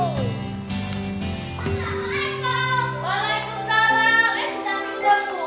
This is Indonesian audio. diantarnya dimana mas